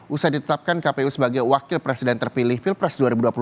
usai ditetapkan kpu sebagai wakil presiden terpilih pilpres dua ribu dua puluh